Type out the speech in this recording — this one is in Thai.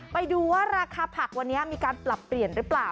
ไปดูว่าราคาผักวันนี้มีการปรับเปลี่ยนหรือเปล่า